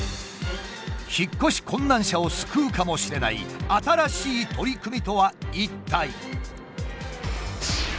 引っ越し困難者を救うかもしれない新しい取り組みとは一体。